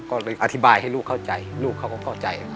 ก็เลยอธิบายให้ลูกเข้าใจลูกเขาก็เข้าใจ